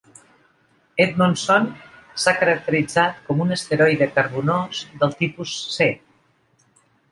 "Edmondson" s'ha caracteritzat com un asteroide carbonós del tipus C.